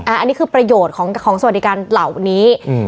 อ่าอันนี้คือประโยชน์ของของสวดิการเหล่านี้อืม